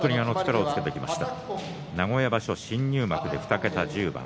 名古屋場所、新入幕で２桁１０番。